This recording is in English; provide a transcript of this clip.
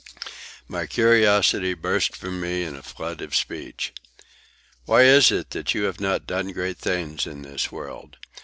My curiosity burst from me in a flood of speech. "Why is it that you have not done great things in this world?